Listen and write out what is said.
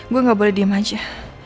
gue gak boleh diem aja